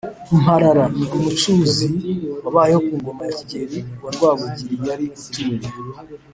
mparara: ni umucuzi wabayeho ku ngoma ya kigeri wa rwabugili yari atuye